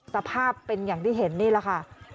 สภาพเป็นอย่างที่เห็นนี่แหละค่ะ